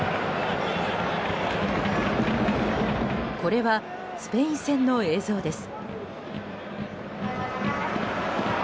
これは、スペイン戦の映像です。